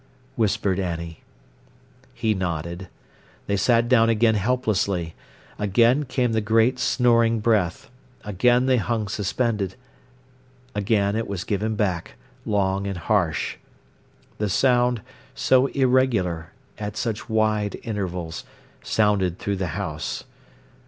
whispered Annie. He nodded. They sat down again helplessly. Again came the great, snoring breath. Again they hung suspended. Again it was given back, long and harsh. The sound, so irregular, at such wide intervals, sounded through the house.